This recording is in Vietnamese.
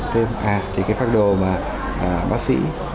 thêm pháp đồ mà bác sĩ